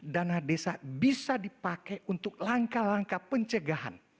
dana desa bisa dipakai untuk langkah langkah pencegahan